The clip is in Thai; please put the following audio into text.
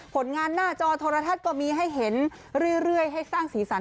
ผลงานหน้าจอโทรทัศน์ก็มีให้เห็นเรื่อยให้สร้างสีสัน